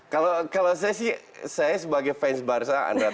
kalau saya sih saya sebagai fans barca anda tahu